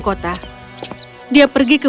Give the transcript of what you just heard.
kota dia pergi ke